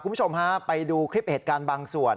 คุณผู้ชมฮะไปดูคลิปเหตุการณ์บางส่วน